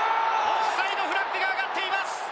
オフサイドフラッグが上がっています。